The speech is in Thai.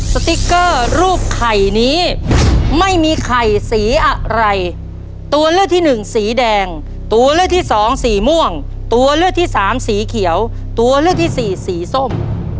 สติ๊กเกอร์รูปไข่นี้ไม่มีไข่สีอะไรตัวเลือกที่หนึ่งสีแดงตัวเลือกที่สองสีม่วงตัวเลือกที่สามสีเขียวตัวเลือกที่สี่สีส้ม